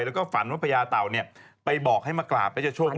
แล้วก็ฝันว่าพญาเต่าเนี่ยไปบอกให้มากราบแล้วจะโชคดี